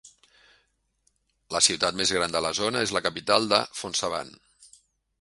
La ciutat més gran de la zona és la capital de Phonsavan.